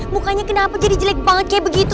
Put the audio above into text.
mukanya kenapa jadi jelek banget kayak begitu